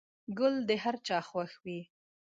گل د هر چا خوښ وي.